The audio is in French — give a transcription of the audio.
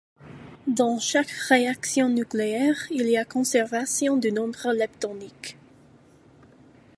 Dans chaque réaction nucléaire, il y a conservation du nombre leptonique.